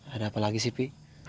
ada apa lagi sih pi